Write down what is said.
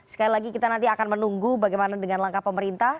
sekali lagi kita nanti akan menunggu bagaimana dengan langkah pemerintah